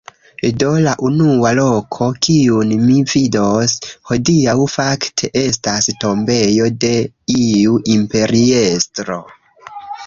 Do, la unua loko, kiun mi vidos hodiaŭ fakte estas tombejo de iu imperiestro